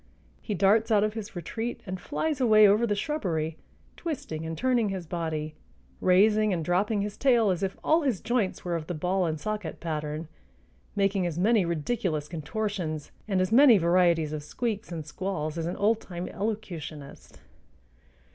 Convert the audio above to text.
He darts out of his retreat and flies away over the shrubbery, twisting and turning his body, raising and dropping his tail as if all his joints were of the ball and socket pattern, making as many ridiculous contortions and as many varieties of squeaks and squalls as an old time elocutionist.